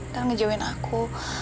dan ngejauhin aku